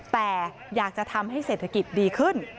แต่อยากจะทำให้เศรษฐกิจดีขึ้น